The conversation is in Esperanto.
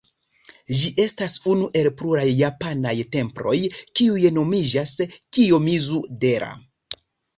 Ĝi estas unu el pluraj japanaj temploj, kiuj nomiĝas Kijomizu-dera.